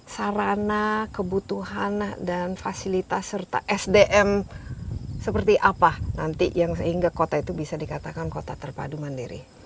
sarana kebutuhan dan fasilitas serta sdm seperti apa nanti yang sehingga kota itu bisa dikatakan kota terpadu mandiri